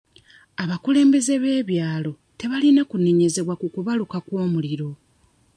Abakulembeze b'ebyalo tebalina kunenyezebwa ku kubaluka kw'omuliro.